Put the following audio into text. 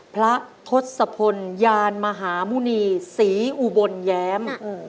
พระทศพลยานมหาหมุณีศรีอุบลแย้ม